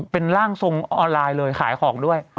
เป็นร่างทรงออนไลน์เลยขายของด้วย